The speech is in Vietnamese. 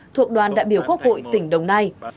thuộc đoàn đại biểu quốc hội tỉnh đồng nai